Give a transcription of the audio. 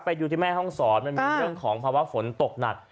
ไปดูที่แม่ห้องศรมันมีเรื่องของภาวะฝนตกหนัก